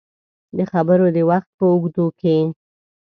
د خبرو د وخت په اوږدو کې